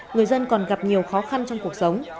người dân còn gặp nhiều khó khăn trong cuộc sống